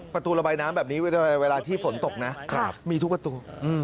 ประตูระบายน้ำแบบนี้เวลาที่ฝนตกนะมีทุกประตู